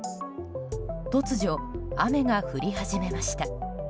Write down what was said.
突如、雨が降り始めました。